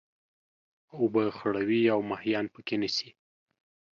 اوبه خړوي او ماهيان پکښي نيسي.